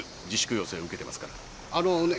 あのね